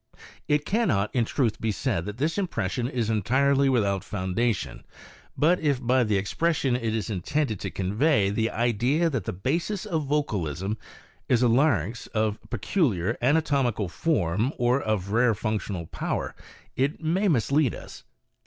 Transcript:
It cannot in truth be said that this impression is entirely without foundation; but if by the expression it is intended to convey the idea that the basis of vocalism is a larynx of peculiar anatomical form or of rare functional power, it may mislead us.